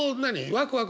ワクワク？